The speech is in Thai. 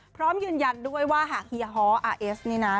พร้อมยืนยันด้วยว่าหากเฮียฮ้ออาร์เอสนี่นะ